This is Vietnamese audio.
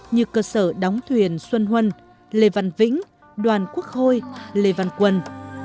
như cơ sở đóng thuyền xuân huân lê văn vĩnh đoàn quốc hội lê văn quân